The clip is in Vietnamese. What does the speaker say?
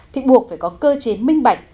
thì buộc phải có cơ chế minh bạch